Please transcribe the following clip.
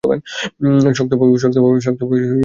শক্তভাবে জেঁকে ধরো তাদের।